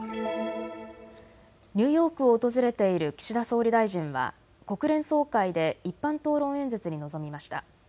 ニューヨークを訪れている岸田総理大臣は国連総会で一般討論演説に臨みました。